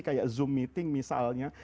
seperti zoom meeting misalnya